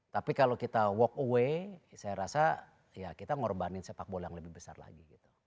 tapi kalau kita walk away saya rasa ya kita ngorbanin sepak bola yang lebih besar lagi gitu